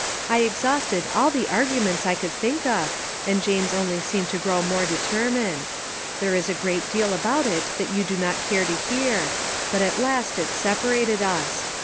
I exhausted all the arguments I could think of, and James only seemed to grow more determined. There is a great deal about it that you do not care to hear; but at last it separated us.